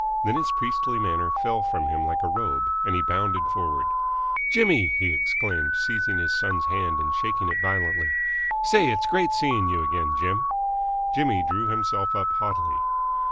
Then his priestly manner fell from him like a robe, and he bounded forward. "Jimmy!" he exclaimed, seizing his son's hand and shaking it violently. "Say, it's great seeing you again, Jim!" Jimmy drew himself up haughtily.